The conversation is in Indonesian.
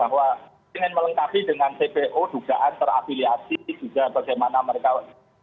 hanya bahwa ingin melengkapi dengan cpo dugaan terapiliasi di juga bagaimana mereka dan bisa